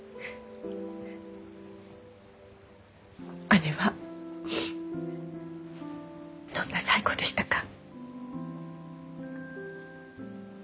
姉はどんな最期でしたか？